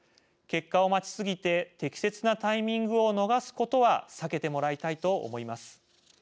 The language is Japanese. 結果を待ちすぎて適切なタイミングを逃すことは避けてもらいたいと思います。